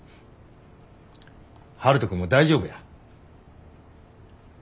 悠人君も大丈夫や。